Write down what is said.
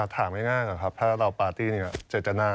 ถามง่ายหน่อยครับถ้าเราปาร์ตี้เจ็ดจันทร์หน้า